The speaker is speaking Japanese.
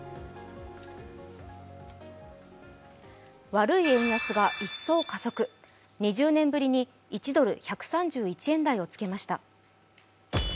悪い円安が一層加速、２０年ぶりに１ドル１３１円をつけました。